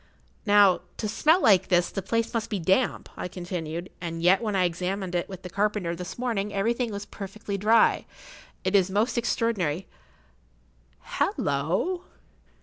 "Now, to smell like this, the place must be damp," I continued, "and yet when I examined it with the carpenter this morning everything was perfectly dry. It is most extraordinary—hallo!"